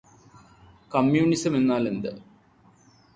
കമ്മ്യൂണിസമെന്നാൽ എന്ത്?